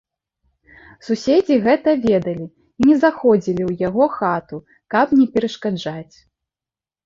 Суседзі гэта ведалі і не заходзілі ў яго хату, каб не перашкаджаць.